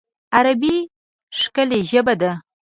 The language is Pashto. عربي ښکلی ژبه ده